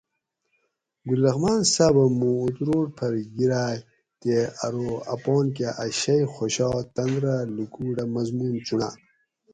گل رحمان صاۤبہ مُوں اتروڑ پھر گِرائ تے ارو اپانکہ اۤ شئ خوشا تن رہ لُکوٹ اۤ مضمون چُنڑا